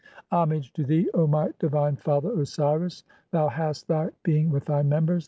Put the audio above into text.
"Homage to thee, O my divine father Osiris, thou hast thy "being with thy members.